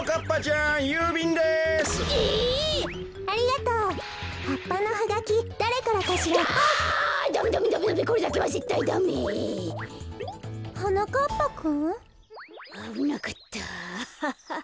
あぶなかったアハハ。